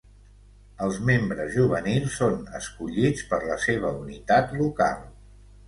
Els membres juvenils són escollits per la seva unitat local.